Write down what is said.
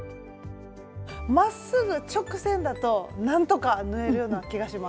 まっすぐ直線だとなんとか縫えるような気がします。